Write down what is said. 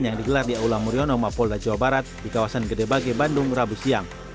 yang digelar di aula muriono mapolda jawa barat di kawasan gede bage bandung rabu siang